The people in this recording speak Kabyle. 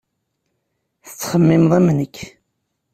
Tettxemmimeḍ am nekk.